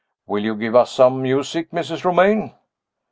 Will you give us some music, Mrs. Romayne?